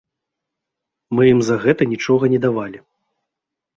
Мы ім за гэта нічога не давалі.